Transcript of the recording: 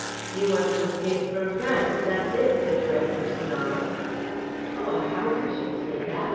"You want to escape from France, that's it?" the Directeur snarled. "Oh, I hardly should say that!"